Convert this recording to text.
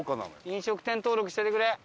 飲食店登録しててくれ！